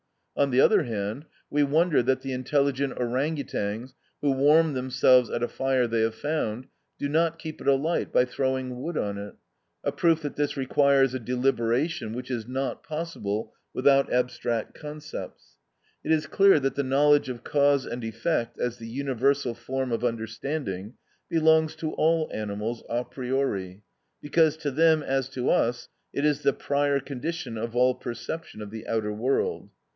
On the other hand, we wonder that the intelligent Orang outangs, who warm themselves at a fire they have found, do not keep it alight by throwing wood on it; a proof that this requires a deliberation which is not possible without abstract concepts. It is clear that the knowledge of cause and effect, as the universal form of understanding, belongs to all animals a priori, because to them as to us it is the prior condition of all perception of the outer world.